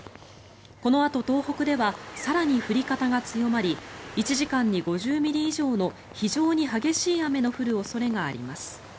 このあと、東北では更に降り方が強まり１時間に５０ミリ以上の非常に激しい雨の降る恐れがあります。